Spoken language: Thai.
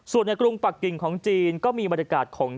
ส่วนในกรุงปักกิ่งของจีนก็มีบรรยากาศของ